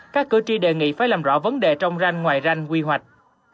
các cửa chi đề nghị phải làm rõ vấn đề trong ranh ngoài ranh quy hoạch